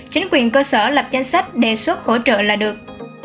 chính quyền cơ sở lập danh sách đề xuất hỗ trợ là được